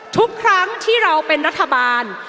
ทุกครั้งที่เราเป็นรัฐบาล